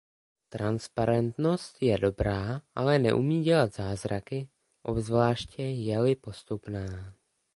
Transparentnost je dobrá, ale neumí dělat zázraky, obzvláště je-li postupná.